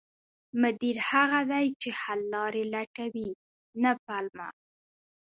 مدیر هغه دی چې حل لارې لټوي، نه پلمه